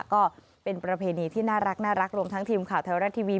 ก็เป็นประเพณีที่น่ารักรวมทั้งทีมข่าวไทยรัฐทีวี